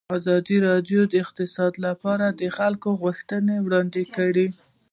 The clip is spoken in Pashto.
ازادي راډیو د اقتصاد لپاره د خلکو غوښتنې وړاندې کړي.